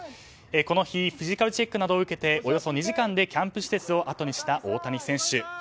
この日フィジカルチェックなどを受けておよそ２時間でキャンプ施設をあとにした大谷選手。